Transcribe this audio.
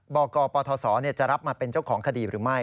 บกปทศจะรับมาเป็นเจ้าของคดีหรือไม่